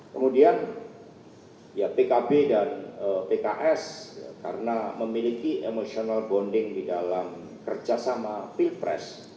kemudian ya pkb dan pks karena memiliki emotional bonding di dalam kerjasama pilpres